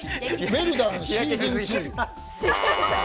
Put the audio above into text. ウェルダンシーズン２。